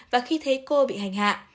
và khi thấy cô bị hành hạ